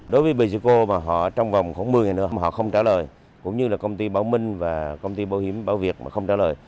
đối với bgco mà họ trong vòng khoảng một mươi ngày nữa mà họ không trả lời cũng như là công ty báo minh và công ty bảo hiểm báo việt mà không trả lời